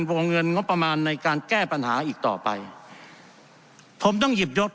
วงเงินงบประมาณในการแก้ปัญหาอีกต่อไปผมต้องหยิบยศ